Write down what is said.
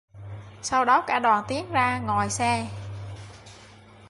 Sau đó cả đoàn tiến ra ngoài xe